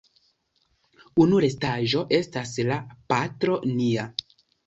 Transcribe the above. Unu restaĵo estas la "Patro nia".